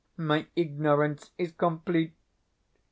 My ignorance is complete.